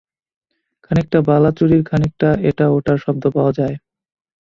খানিকটা বালা-চুড়ির খানিকটা এটা-ওটার শব্দ পাওয়া যায়।